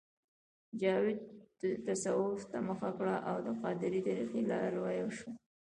جاوید تصوف ته مخه کړه او د قادرې طریقې لاروی شو